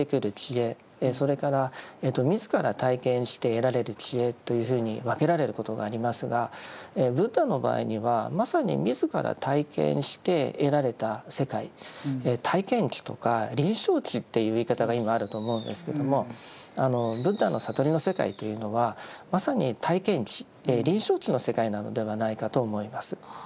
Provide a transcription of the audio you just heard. それから自ら体験して得られる知恵というふうに分けられることがありますがブッダの場合にはまさに自ら体験して得られた世界体験知とか臨床知っていう言い方が今あると思うんですけどもブッダの悟りの世界というのはまさに体験知臨床知の世界なのではないかと思います。